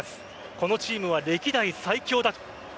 このチームは歴代最強だと。